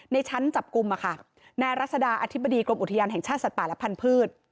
ในชั้นจับกลุ่มนายรัศดาอธิบดีกรมอุทยานแห่งชาติสัตว์ป่าและพันธุ์